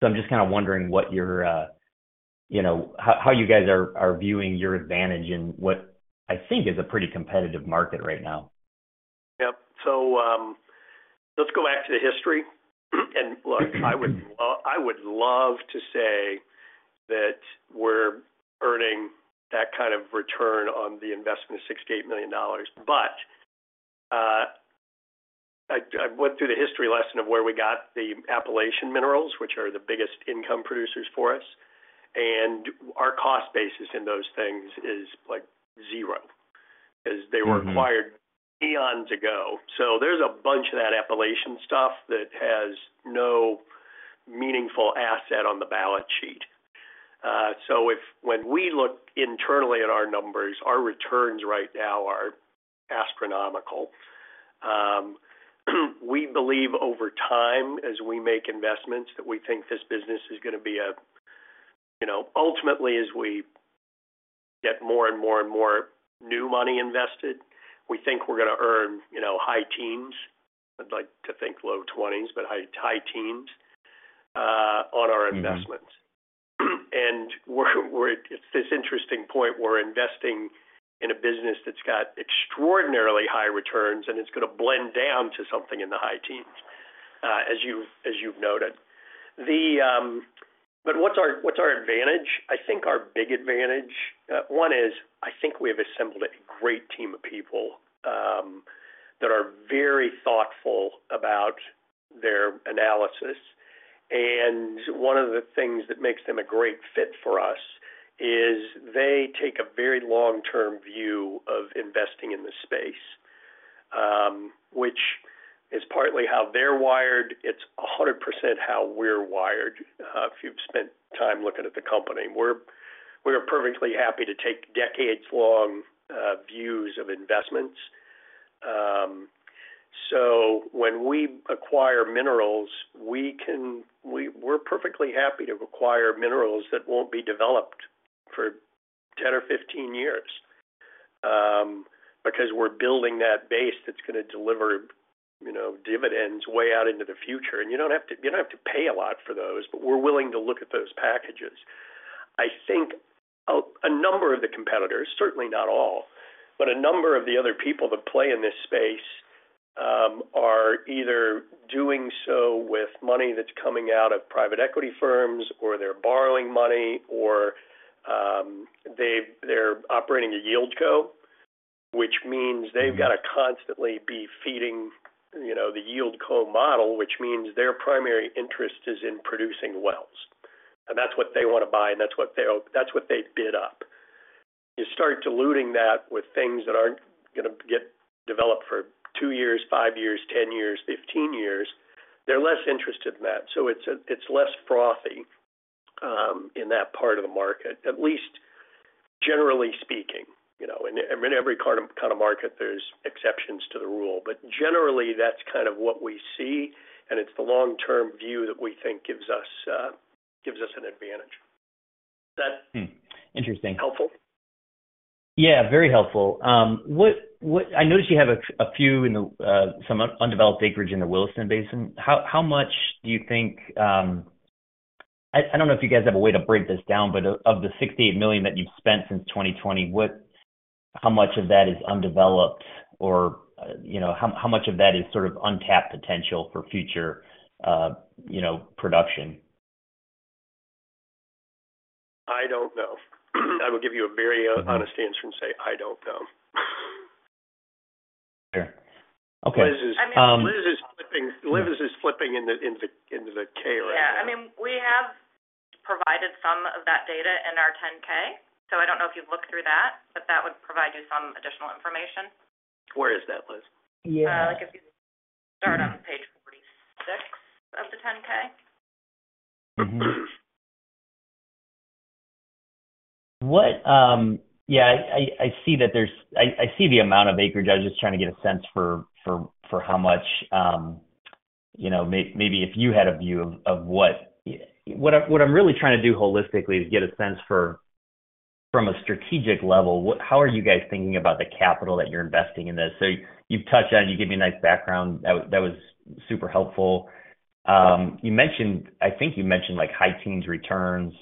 I'm just kind of wondering what your how you guys are viewing your advantage in what I think is a pretty competitive market right now. Yep. So let's go back to the history. And look, I would love to say that we're earning that kind of return on the investment of $68 million. But I went through the history lesson of where we got the Appalachian minerals, which are the biggest income producers for us. And our cost base in those things is zero because they were acquired eons ago. So there's a bunch of that Appalachian stuff that has no meaningful asset on the balance sheet. So when we look internally at our numbers, our returns right now are astronomical. We believe, over time, as we make investments, that we think this business is going to be a ultimately, as we get more and more and more new money invested, we think we're going to earn high teens. I'd like to think low 20s, but high teens on our investments. It's this interesting point. We're investing in a business that's got extraordinarily high returns, and it's going to blend down to something in the high teens, as you've noted. But what's our advantage? I think our big advantage, one, is I think we have assembled a great team of people that are very thoughtful about their analysis. And one of the things that makes them a great fit for us is they take a very long-term view of investing in the space, which is partly how they're wired. It's 100% how we're wired if you've spent time looking at the company. We're perfectly happy to take decades-long views of investments. So when we acquire minerals, we're perfectly happy to acquire minerals that won't be developed for 10 or 15 years because we're building that base that's going to deliver dividends way out into the future. And you don't have to pay a lot for those, but we're willing to look at those packages. I think a number of the competitors, certainly not all, but a number of the other people that play in this space are either doing so with money that's coming out of private equity firms, or they're borrowing money, or they're operating a YieldCo, which means they've got to constantly be feeding the YieldCo model, which means their primary interest is in producing wells. And that's what they want to buy, and that's what they bid up. You start diluting that with things that aren't going to get developed for two years, five years, 10 years, 15 years. They're less interested in that. So it's less frothy in that part of the market, at least generally speaking. In every kind of market, there's exceptions to the rule. But generally, that's kind of what we see, and it's the long-term view that we think gives us an advantage. Is that? Interesting. Helpful? Yeah. Very helpful. I noticed you have some undeveloped acreage in the Williston Basin. How much do you think? I don't know if you guys have a way to break this down, but of the $68 million that you've spent since 2020, how much of that is undeveloped, or how much of that is sort of untapped potential for future production? I don't know. I will give you a very honest answer and say, "I don't know. Sure. Okay. Liz is filing the 10-K right now. Yeah. I mean, we have provided some of that data in our 10-K. So I don't know if you've looked through that, but that would provide you some additional information. Where is that, Liz? Yeah. If you start on page 46 of the 10-K. Yeah. I see that there's the amount of acreage. I was just trying to get a sense for how much, maybe if you had a view of what I'm really trying to do holistically is get a sense from a strategic level, how are you guys thinking about the capital that you're investing in this? So you've touched on it. You gave me a nice background. That was super helpful. I think you mentioned high teens returns.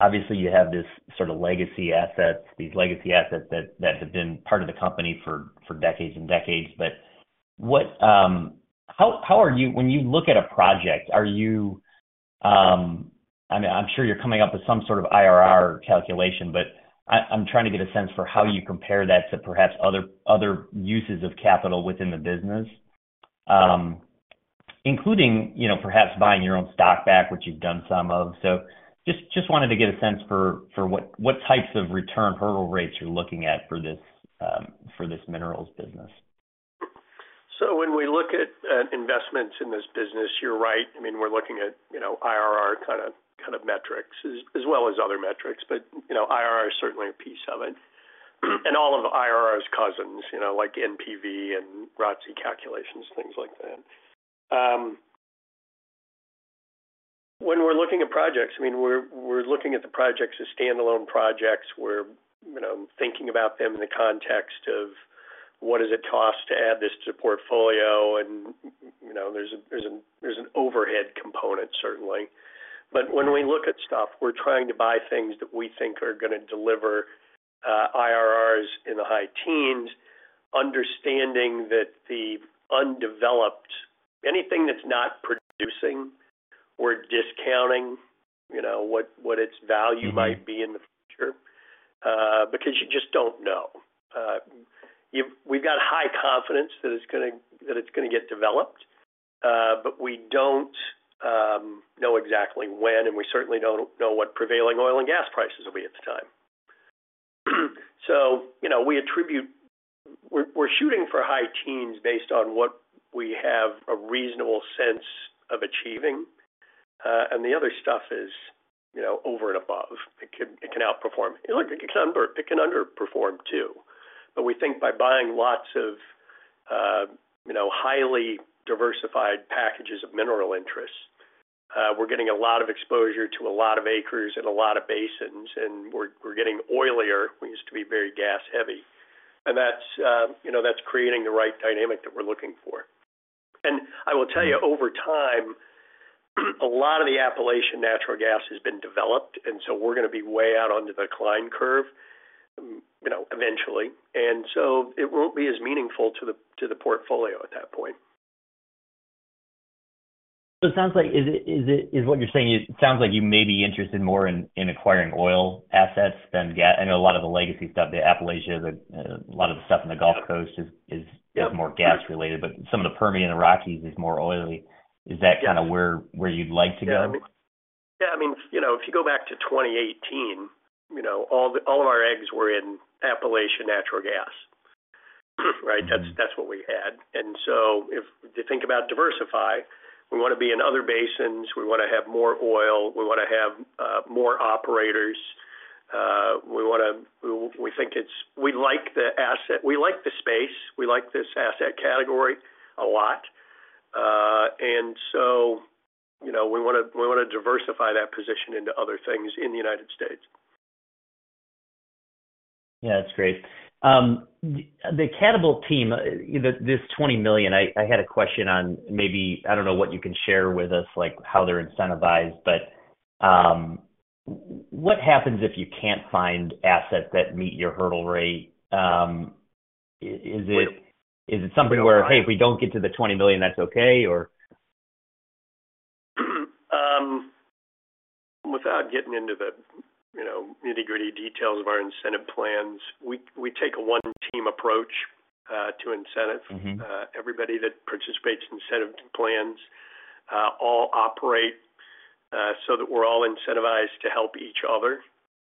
Obviously, you have this sort of legacy assets, these legacy assets that have been part of the company for decades and decades. But when you look at a project, are you? I mean, I'm sure you're coming up with some sort of IRR calculation, but I'm trying to get a sense for how you compare that to perhaps other uses of capital within the business, including perhaps buying your own stock back, which you've done some of. So just wanted to get a sense for what types of return hurdle rates you're looking at for this minerals business. So when we look at investments in this business, you're right. I mean, we're looking at IRR kind of metrics as well as other metrics, but IRR is certainly a piece of it. And all of IRR's cousins, like NPV and ROIC calculations, things like that. When we're looking at projects, I mean, we're looking at the projects as standalone projects. We're thinking about them in the context of, "What does it cost to add this to the portfolio?" And there's an overhead component, certainly. But when we look at stuff, we're trying to buy things that we think are going to deliver IRRs in the high teens, understanding that the undeveloped anything that's not producing, we're discounting what its value might be in the future because you just don't know. We've got high confidence that it's going to get developed, but we don't know exactly when, and we certainly don't know what prevailing oil and gas prices will be at the time. So we attribute we're shooting for high teens based on what we have a reasonable sense of achieving. And the other stuff is over and above. It can outperform. Look, it can underperform too. But we think by buying lots of highly diversified packages of mineral interests, we're getting a lot of exposure to a lot of acres and a lot of basins, and we're getting oilier. We used to be very gas-heavy. And that's creating the right dynamic that we're looking for. And I will tell you, over time, a lot of the Appalachian natural gas has been developed, and so we're going to be way out onto the decline curve eventually. It won't be as meaningful to the portfolio at that point. So it sounds like is what you're saying, it sounds like you may be interested more in acquiring oil assets than gas. I know a lot of the legacy stuff, the Appalachia, a lot of the stuff in the Gulf Coast is more gas-related, but some of the Permian and Rockies is more oily. Is that kind of where you'd like to go? Yeah. I mean, if you go back to 2018, all of our eggs were in Appalachia natural gas, right? That's what we had. And so to think about diversify, we want to be in other basins. We want to have more oil. We want to have more operators. We think it's we like the asset we like the space. We like this asset category a lot. And so we want to diversify that position into other things in the United States. Yeah. That's great. The Catapult team, this $20 million, I had a question on maybe I don't know what you can share with us, how they're incentivized, but what happens if you can't find assets that meet your hurdle rate? Is it something where, "Hey, if we don't get to the $20 million, that's okay," or? Without getting into the nitty-gritty details of our incentive plans, we take a one-team approach to incentives. Everybody that participates in incentive plans all operate so that we're all incentivized to help each other,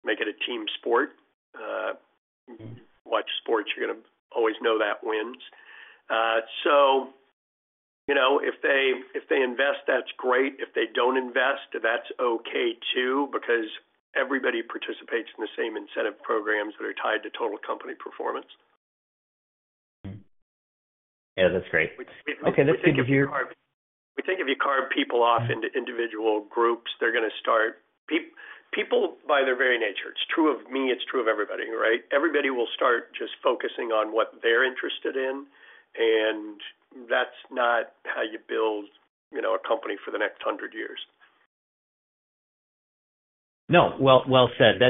make it a team sport. Watch sports, you're going to always know that wins. So if they invest, that's great. If they don't invest, that's okay too because everybody participates in the same incentive programs that are tied to total company performance. Yeah. That's great. Okay. That's good to hear. We think if you carve people off into individual groups, they're going to start people by their very nature. It's true of me. It's true of everybody, right? Everybody will start just focusing on what they're interested in, and that's not how you build a company for the next 100 years. No. Well said.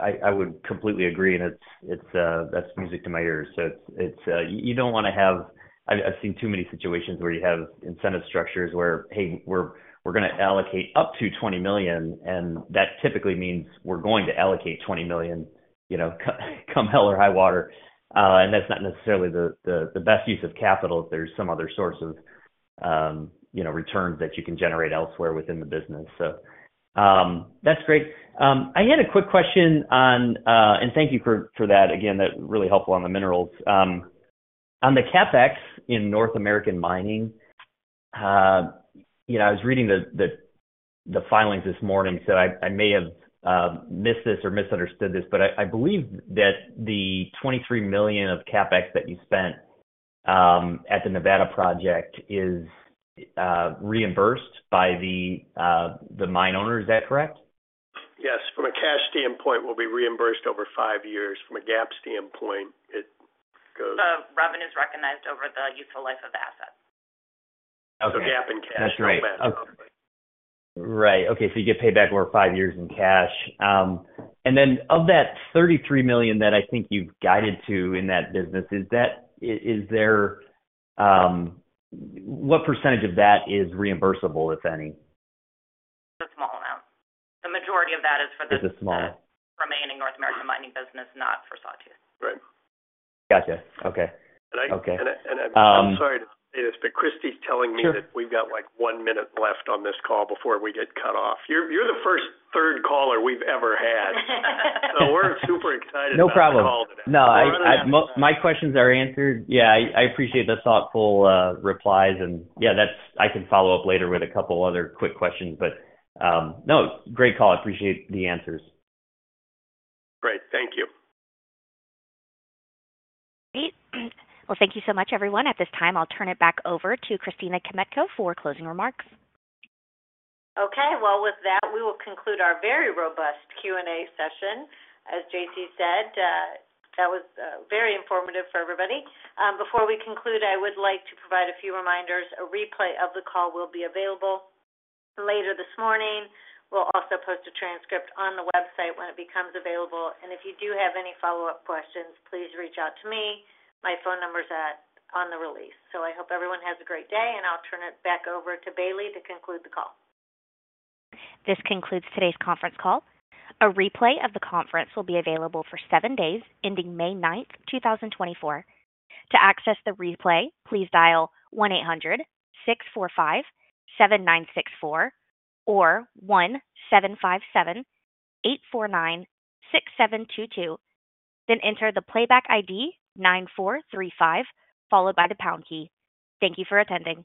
I would completely agree, and that's music to my ears. So you don't want to have. I've seen too many situations where you have incentive structures where, "Hey, we're going to allocate up to $20 million," and that typically means we're going to allocate $20 million, come hell or high water. And that's not necessarily the best use of capital. There's some other source of returns that you can generate elsewhere within the business. So that's great. I had a quick question on and thank you for that. Again, that's really helpful on the minerals. On the CapEx in North American Mining, I was reading the filings this morning, so I may have missed this or misunderstood this, but I believe that the $23 million of CapEx that you spent at the Nevada project is reimbursed by the mine owner. Is that correct? Yes. From a cash standpoint, we'll be reimbursed over 5 years. From a GAAP standpoint, it goes. The revenue is recognized over the useful life of the asset. Okay. Gap in cash. No matter. That's right. Okay. Right. Okay. So you get payback over five years in cash. And then of that $33 million that I think you've guided to in that business, is there what percentage of that is reimbursable, if any? It's a small amount. The majority of that is for the. It's a small. Remaining North American Mining business, not for Sawtooth. Right. Gotcha. Okay. I'm sorry to say this, but Christy's telling me that we've got like one minute left on this call before we get cut off. You're the first third caller we've ever had. We're super excited about the call today. No problem. No. My questions are answered. Yeah. I appreciate the thoughtful replies. And yeah, I can follow up later with a couple other quick questions. But no, great call. I appreciate the answers. Great. Thank you. Great. Well, thank you so much, everyone. At this time, I'll turn it back over to Christina Kmetko for closing remarks. Okay. Well, with that, we will conclude our very robust Q&A session. As J.C. said, that was very informative for everybody. Before we conclude, I would like to provide a few reminders. A replay of the call will be available later this morning. We'll also post a transcript on the website when it becomes available. And if you do have any follow-up questions, please reach out to me. My phone number's on the release. So I hope everyone has a great day, and I'll turn it back over to Bailey to conclude the call. This concludes today's conference call. A replay of the conference will be available for seven days, ending May 9th, 2024. To access the replay, please dial 1-800-645-7964 or 1-757-849-6722, then enter the playback ID 9435 followed by the pound key. Thank you for attending.